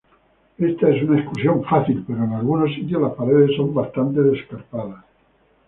Esta es una excursión fácil, pero en algunos sitios las paredes son bastante escarpadas.